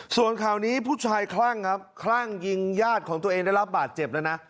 ส่วนข่าวนี้ผู้ชายคลั่งครับคลั่งยิงญาติของตัวเองได้รับบาดเจ็บแล้วนะ